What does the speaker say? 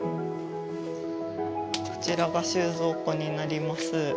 こちらが収蔵庫になります。